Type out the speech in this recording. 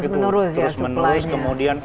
terus menerus kemudian